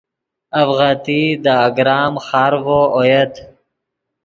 اڤغتئی دے اگرام خارڤو اویت